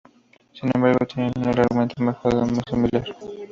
Sin embargo, tienen un alargamiento mojado muy similar.